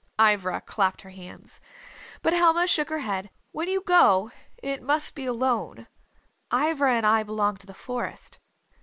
Ivra clapped her hands. But Helma shook her head. "When you go, it must be alone, Ivra and I belong to the Forest."